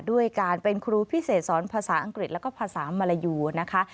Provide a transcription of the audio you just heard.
ด้วยการเป็นครูพิเศษสอนภาษาอังกฤษแล้วก็ภาษามารยูนะคะ